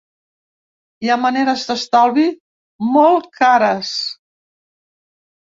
Hi ha maneres d'estalvi molt cares.